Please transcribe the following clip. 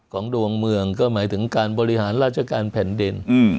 ดวงเมืองก็หมายถึงการบริหารราชการแผ่นดิน